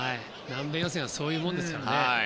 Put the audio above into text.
南米予選はそういうものですからね。